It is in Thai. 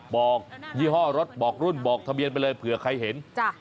ยี่ห้อรถบอกรุ่นบอกทะเบียนไปเลยเผื่อใครเห็นจ้ะ